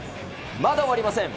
まだ終わりません。